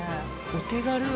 お手軽。